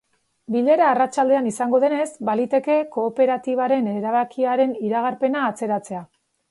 Bilera arratsaldean izango denez, baliteke kooperatibaren erabakiaren iragarpena atzeratzea.